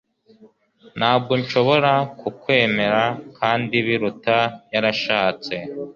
Ntabwo nshobora kukwemera kandi Biruta yarashatse